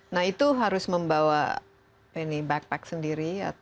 nah itu harus membawa ini backpack sendiri